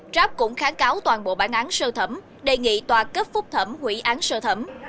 grab cũng kháng cáo toàn bộ bản án sơ thẩm đề nghị tòa cấp phúc thẩm hủy án sơ thẩm